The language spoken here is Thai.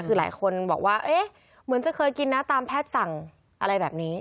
คือหลายคนบอกว่าเอ๊ะเหมือนจะเคยกินนะตามแพทย์สั่งอะไรแบบนี้